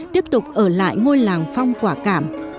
tiếp tục ở lại ngôi làng phong quả cảm